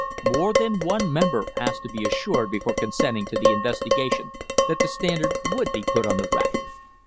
More than one member asked to be assured before consenting to the investigation that the Standard would be put on the rack.